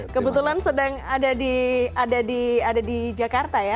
kebetulan sedang ada di jakarta ya